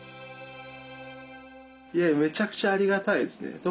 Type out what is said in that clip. めちゃくちゃありがたいですね。